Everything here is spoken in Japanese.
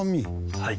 はい。